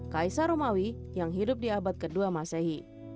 kaisar rumawi yang hidup di abad kedua masehi